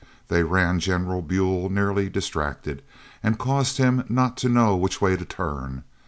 They ran General Buell nearly distracted, and caused him not to know which way to turn.